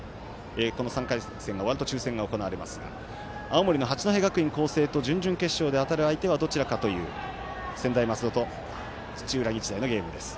この３回戦が終わると抽せんが行われますが青森の八戸学院光星と準々決勝で当たるのはどちらかという専大松戸と土浦日大のゲームです。